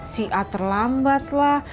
si a terlambatlah